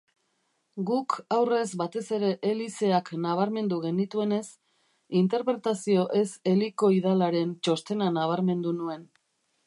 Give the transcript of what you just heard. Guk aurrez batez ere helizeak nabarmendu genituenez, interpretazio ez-helikoidalaren txostena nabarmendu nuen.